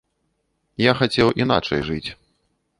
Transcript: Я хацеў іначай жыць.